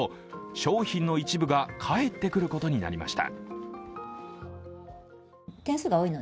商品の一部が返ってくることになりました。